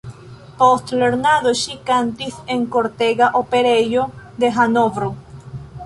Post lernado ŝi kantis en kortega operejo de Hanovro.